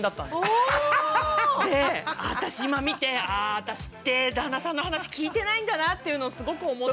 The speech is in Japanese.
私って旦那さんのお話聞いてないんだなっていうのをすごく思って。